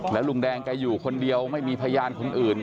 แล้วลุงแดงแกอยู่คนเดียวไม่มีพยานคนอื่น